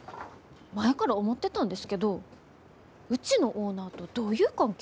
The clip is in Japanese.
前から思ってたんですけどうちのオーナーとどういう関係ですか？